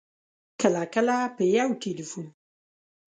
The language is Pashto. کله کله په یو ټېلفون